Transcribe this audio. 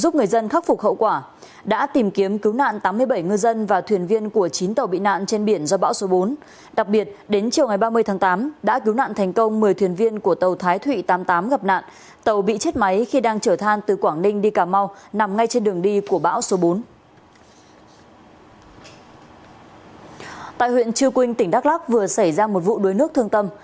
tại huyện chư quynh tỉnh đắk lắk vừa xảy ra một vụ đuối nước thương tâm